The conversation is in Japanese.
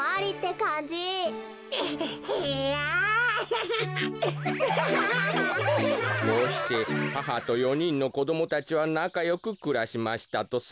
「こうしてははと４にんのこどもたちはなかよくくらしましたとさ。